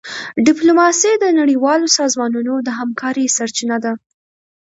ډيپلوماسي د نړیوالو سازمانونو د همکارۍ سرچینه ده.